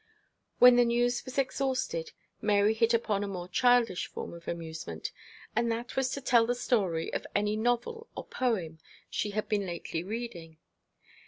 When the news was exhausted, Mary hit upon a more childish form of amusement, and that was to tell the story of any novel or poem she had been lately reading.